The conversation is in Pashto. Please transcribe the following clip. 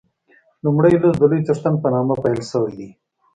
لومړی لوست د لوی څښتن په نامه پیل شوی دی.